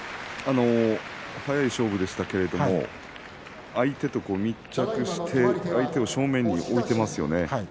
速い勝負でしたけれども相手と密着して相手を正面に置いてますよね。